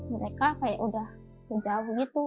mereka kayak sudah sejauh gitu